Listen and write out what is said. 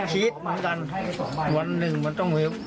คิดเหมือนกันวันหนึ่งมันต้องเวฟ